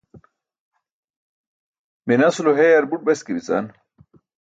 minas ulo heyar buṭ beske bican